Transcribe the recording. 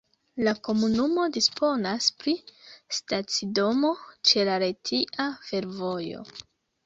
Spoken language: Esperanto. La komunumo disponas pri stacidomo ĉe la Retia Fervojo.